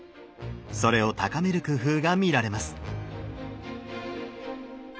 それを高める工夫が見られます。